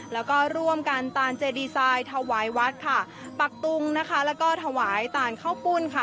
แล้วก็ร่วมกันตานเจดีไซน์ถวายวัดค่ะปักตุงนะคะแล้วก็ถวายตาลข้าวปุ้นค่ะ